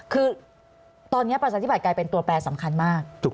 คือตอนนี้ประชาธิบัตกลายเป็นตัวแปรสำคัญมาก